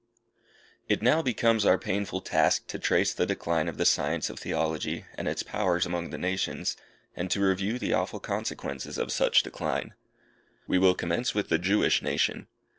It now becomes our painful task to trace the decline of the science of Theology and its powers among the nations, and to review the awful consequences of such decline. We will commence with the Jewish nation.